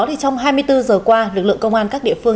trong hai mươi bốn giờ qua lực lượng công an các địa phương